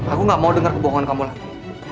aku gak mau dengar kebohongan kamu lagi